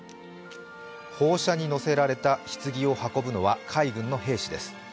砲車に乗せられたひつぎを運ぶのは海軍の兵士です。